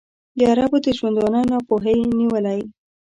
د عربو د ژوندانه ناپوهۍ نیولی.